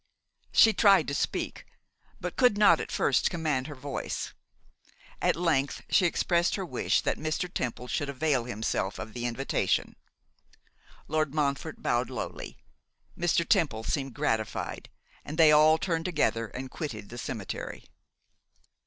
She tried to speak, but could not at first command her voice; at length she expressed her wish that Mr. Temple should avail himself of the invitation. Lord Montfort bowed lowly, Mr. Temple seemed gratified, and they all turned together and quitted the cemetery.